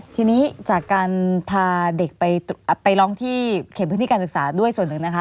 ทีนี้จากการพาเด็กไปร้องที่เขตพื้นที่การศึกษาด้วยส่วนหนึ่งนะคะ